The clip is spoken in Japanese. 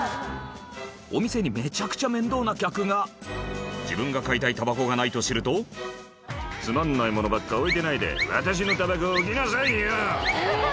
お店にめちゃくちゃ面倒な客が自分が買いたいタバコがないと知ると「つまんないものばっか置いてないで私のタバコ置きなさいよ」